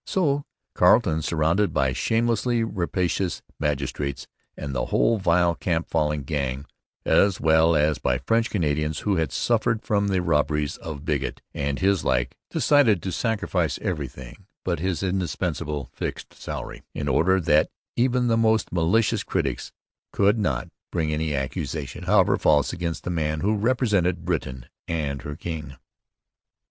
So Carleton, surrounded by shamelessly rapacious magistrates and the whole vile camp following gang, as well as by French Canadians who had suffered from the robberies of Bigot and his like, decided to sacrifice everything but his indispensable fixed salary in order that even the most malicious critics could not bring any accusation, however false, against the man who represented Britain and her king.